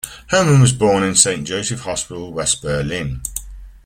Hermann was born in Saint Joseph's hospital in West Berlin.